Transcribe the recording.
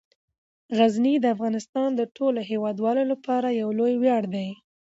غزني د افغانستان د ټولو هیوادوالو لپاره یو لوی ویاړ دی.